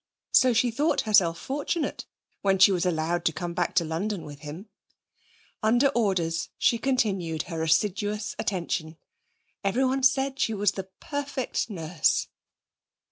So she thought herself fortunate when she was allowed to come back to London with him. Under orders she continued her assiduous attention. Everyone said she was a perfect nurse.